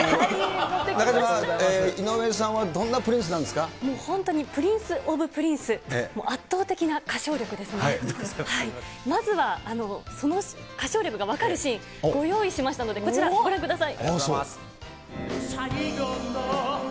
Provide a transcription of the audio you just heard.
中島、井上さんはどんなプリ本当にプリンス・オブ・プリンス、もう圧倒的な歌唱力ですので、まずはその歌唱力が分かるシーン、ご用意しましたので、こちら、ご覧ください。